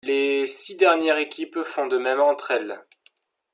Les six dernières équipes font de même entre elles.